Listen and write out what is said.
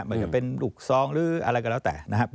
มันก็เป็นหลุกซองหรืออะไรก็แล้วแต่นะฮะ